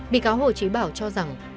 bị cáo hồ chí bảo cho rằng